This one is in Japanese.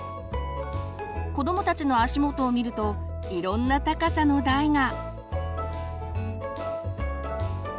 子どもたちの足元を見るといろんな高さの台が。